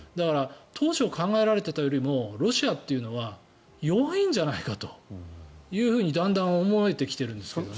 当初、考えられていたよりもロシアというのは弱いんじゃないかというふうにだんだん思えてきているんですけどね。